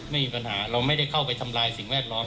ไม่มีปัญหาเราไม่ได้เข้าไปทำลายสิ่งแวดล้อม